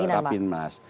bisa juga rapimnas